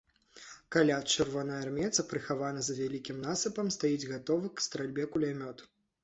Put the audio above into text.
Каля чырвонаармейца, прыхаваны за невялікім насыпам, стаіць гатовы к стральбе кулямёт.